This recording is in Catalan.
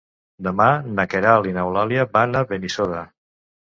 Demà na Queralt i n'Eulàlia van a Benissoda.